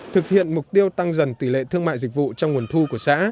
thực hiện mục tiêu tăng dần tỷ lệ thương mại dịch vụ trong nguồn thu của xã